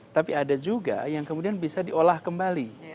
tapi ada juga yang kemudian bisa diolah kembali